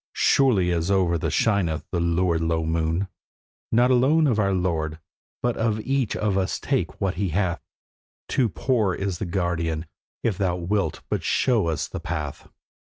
surely as over us shineth the lurid low moon, 'Not alone of our lord, but of each of us take what he hath! Too poor is the guerdon, if thou wilt but show us the path.